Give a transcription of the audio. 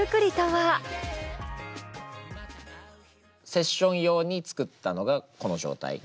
セッション用に作ったのがこの状態。